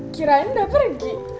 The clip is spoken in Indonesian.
kirain udah pergi